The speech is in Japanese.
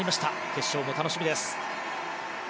決勝も楽しみです。